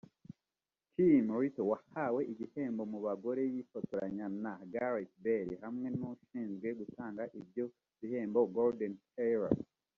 Kim Little wahawe igihembo mu bagore yifotoranya na Gareth Bale hamwe n’ushinzwe gutanga ibyo bihembwo Gordon Taylor